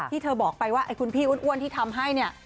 ที่เธอบอกไปว่าคุณพี่อ้วนที่ทำให้